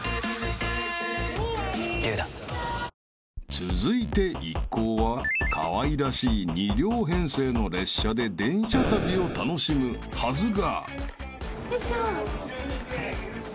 ［続いて一行はかわいらしい２両編成の列車で電車旅を楽しむはずが］